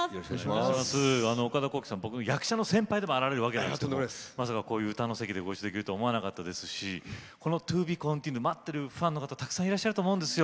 岡田浩暉さんは僕、役者の先輩でもあられるわけですけどまずは、こういう歌のせきでご一緒できるとは思わなかったですしＴｏＢｅＣｏｎｔｉｎｕｅｄを待ってるファンの方たくさんいらっしゃると思うんですよ。